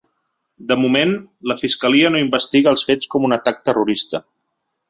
De moment, la fiscalia no investiga els fets com un ‘atac terrorista’.